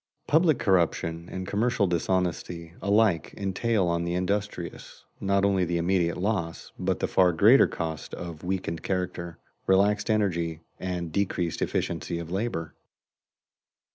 Public corruption and commercial dishonesty alike entail on the industrious not only the immediate loss, but the far greater cost of weakened character, relaxed energy, and decreased efficiency of labor.